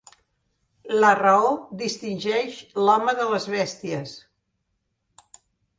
La raó distingeix l'home de les bèsties.